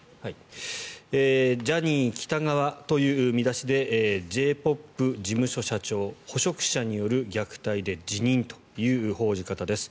ジャニー喜多川という見出しでＪ−ＰＯＰ事務所社長捕食者による虐待で辞任という報じ方です。